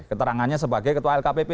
keterangannya sebagai ketua lkpp